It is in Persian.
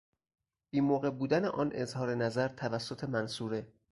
بی موقع بودن آن اظهارنظر توسط منصوره